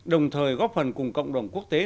đồng thời góp phần cùng cộng đồng quốc tế